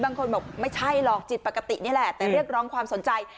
บางคนบอกไม่ใช่หรอกจิตปกตินี่แหละแต่เรียกร้องความสนใจ